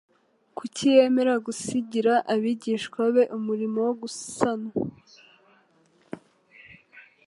Kuki yemera gusigira abigishwa be umurimo wo gusanwa